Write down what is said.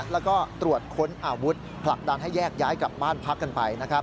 แล้วก็ตรวจค้นอาวุธผลักดันให้แยกย้ายกลับบ้านพักกันไป